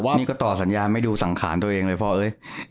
นี่ก็ต่อสัญญาไม่ดูสังขารตัวเองเลยพ่อเอ้ย